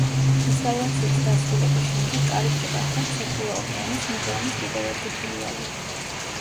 რესტავრაციის დასრულების შემდეგ კარიბჭე გახდა მსოფლიო ოკეანის მუზეუმის კიდევ ერთი ფილიალი.